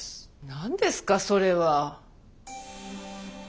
何ですかそれは。